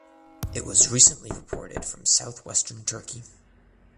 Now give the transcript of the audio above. It was recently reported from southwestern Turkey.